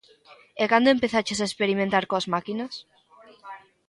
E cando empezaches a experimentar coas máquinas?